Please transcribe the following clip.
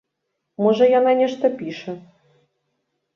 Можа яна нешта піша.